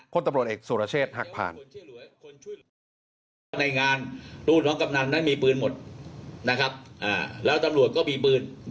คนตำรวจเอกสุรเชษฐ์หักผ่าน